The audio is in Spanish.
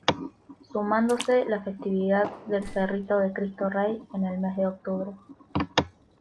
Sumándose la festividad del Cerrito de Cristo Rey en el mes de octubre.